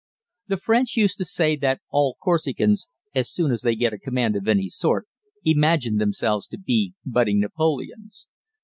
The French used to say that all Corsicans, as soon as they get a command of any sort, imagine themselves to be budding Napoleons.